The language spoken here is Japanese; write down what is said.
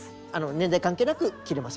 年代関係なく着れますよね。